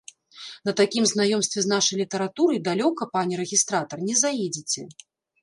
На такім знаёмстве з нашай літаратурай далёка, пане рэгістратар, не заедзеце.